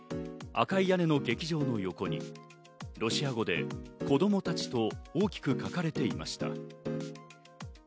赤い屋根の劇場の横にロシア語で「子供たち」と大きく書かれていました。